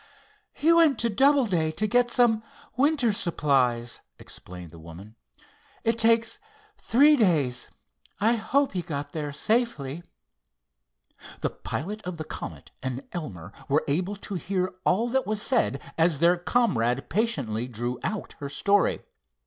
"He went to Doubleday to get some winter supplies," explained the woman. "It takes three days. I hope he got there safely." The pilot of the Comet and Elmer were able to hear all that was said as their comrade patiently drew out her story.